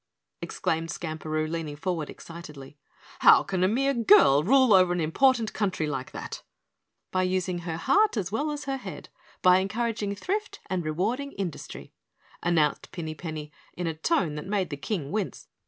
exclaimed Skamperoo, leaning forward excitedly. "How can a mere girl rule over an important country like that?" "By using her heart as well as her head, by encouraging thrift and rewarding industry," announced Pinny Penny in a tone that made the King wince.